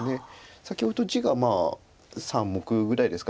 先ほど地が３目ぐらいですか。